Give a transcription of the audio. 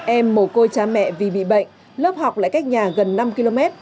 em mổ côi cha mẹ vì bị bệnh lớp học lại cách nhà gần năm km